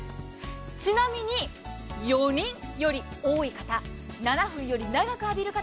ちなみに４人より多い方７分より長く浴びる方